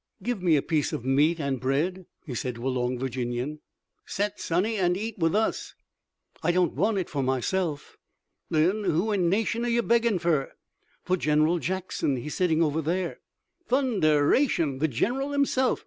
"Give me a piece of meat and bread," he said to a long Virginian. "Set, Sonny, an' eat with us!" "I don't want it for myself." "Then who in nation are you beggin' fur?" "For General Jackson. He's sitting over there." "Thunderation! The gen'ral himself!